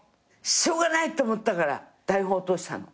しょうがない」と思ったから台本落としたの。